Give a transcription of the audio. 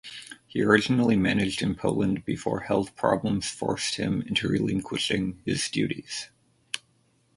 He originally managed in Poland before health problems forced him into relinquishing his duties.